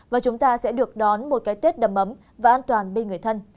và chúng ta sẽ được đón một cái tết đầm ấm và an toàn bên người thân